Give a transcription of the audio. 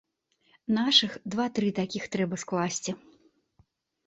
Нашых два-тры такіх трэба скласці!